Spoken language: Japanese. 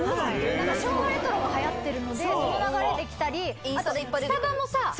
昭和レトロはやってるのでその流れで来たりあとスタバもさ。